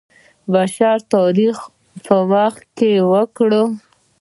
بشر تاریخ وخت کې وکړ.